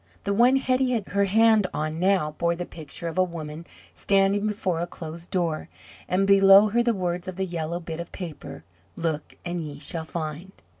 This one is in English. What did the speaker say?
The one Hetty had her hand on now bore the picture of a woman standing before a closed door, and below her the words of the yellow bit of paper: "Look, and ye shall find."